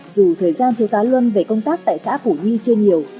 dù thời gian thiếu tá luân về công tác tại xã bùi văn nhân chưa nhiều